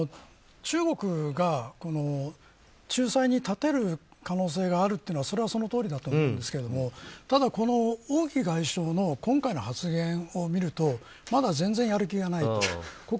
中国が仲裁に立てる可能性があるというのはそれは、そのとおりだと思うんですけどただこの王毅外相の今回の発言を見るとまだ全然やる気がない。